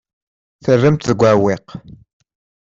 Terram-t deg uɛewwiq.